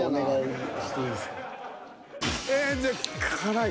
ええじゃあ「辛い」？